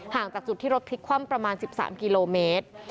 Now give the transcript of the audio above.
จากจุดที่รถพลิกคว่ำประมาณ๑๓กิโลเมตร